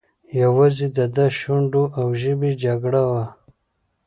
یوازې د ده د شونډو او ژبې جګړه وه.